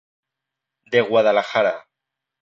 De Guadalajara.